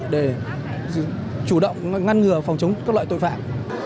để chủ động ngăn ngừa phòng chống các loại tội phạm